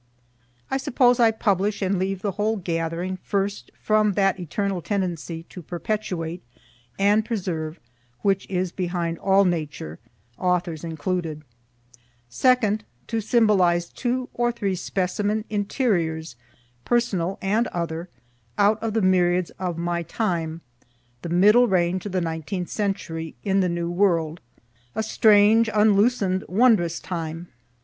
I suppose I publish and leave the whole gathering, first, from that eternal tendency to perpetuate and preserve which is behind all Nature, authors included; second, to symbolize two or three specimen interiors, personal and other, out of the myriads of my time, the middle range of the Nineteenth century in the New World; a strange, unloosen'd, wondrous time.